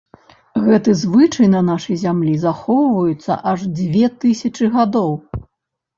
Гэты звычай на нашай зямлі захоўваецца аж дзве тысячы гадоў.